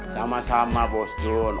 sama sama bos jun